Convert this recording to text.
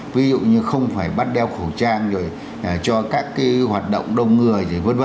ví dụ như không phải bắt đeo khẩu trang rồi cho các cái hoạt động đông người v v